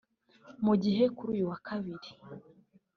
Mu gihe kuri uyu wa Kabiri